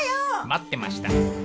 待ってました。